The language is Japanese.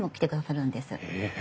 へえ。